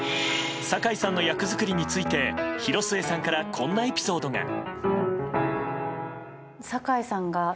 堺さんの役作りについて広末さんからこんなエピソードが。